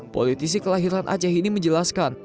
politisi kelahiran aceh ini menjelaskan